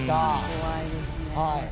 怖いですね。